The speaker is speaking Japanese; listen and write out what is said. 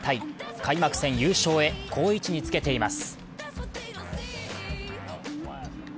開幕戦優勝へ、好位置につけています。